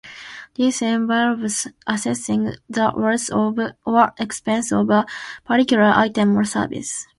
This involves assessing the worth or expense of a particular item or service.